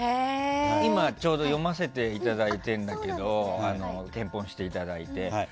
今、ちょうど読ませていただいてるんだけど献本していただいて。